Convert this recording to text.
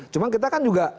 cuma kita kan juga